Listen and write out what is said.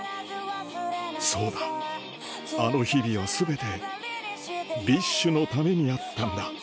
そうだあの日々は全てＢｉＳＨのためにあったんだ